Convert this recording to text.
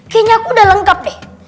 kayaknya aku sudah lengkap deh